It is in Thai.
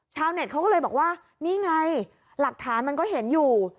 ชาวเน็ตเขาก็เลยบอกว่านี่ไงหลักฐานมันก็เห็นอยู่